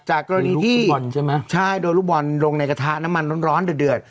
จากเกราะนี้ที่เป็นลูคฟุตบอลใช่ไหมใช่โดยลูกบอลลงในกะทาน้ำมันร้อนร้อนเดี๋ยวเดือด